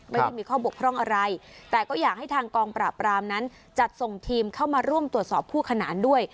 ไม่ได้มีข้อบกพร่องอะไรแต่ก็อยากให้ทางกองปราบรามนั้นจัดส่งทีมเข้ามาร่วมตรวจสอบคู่ขนานด้วย